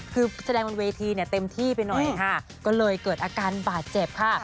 คือแสดงบนเวทีเนี่ยเต็มที่ไปหน่อยค่ะก็เลยเกิดอาการบาดเจ็บค่ะ